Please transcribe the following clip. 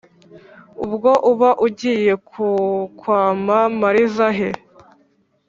ubwo uba ugiye kukwama mariza he